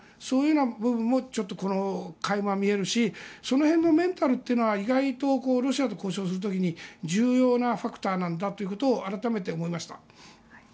そういうような部分もちょっと垣間見えるしその辺のメンタルというのは意外とロシアと交渉する時には重要なファクターなんだということを改めて思いました。